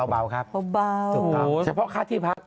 เบาครับถูกครับโอ้โฮโอ้โฮโอ้โฮเฉพาะค่าที่พัก